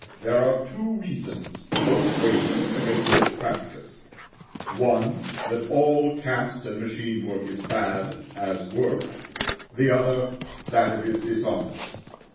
There are two reasons, both weighty, against this practice; one, that all cast and machine work is bad, as work; the other, that it is dishonest.